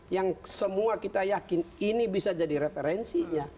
yang semua kita yakin ini bisa jadi referensinya